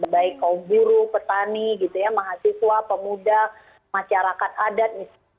baik kaum buruh petani mahasiswa pemuda masyarakat adat